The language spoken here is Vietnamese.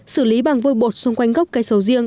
xử lý bằng vôi bột xung quanh gốc cây sầu riêng